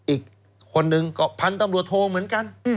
อีกคนนึงก็พันธุ์ตำรวจโทเหมือนกัน